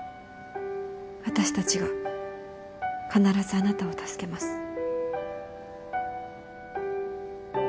私たちが必ずあなたを助けます。